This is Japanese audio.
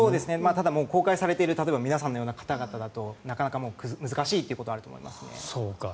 ただ、公開されている皆さんのような方々だとなかなか難しいということがあると思いますね。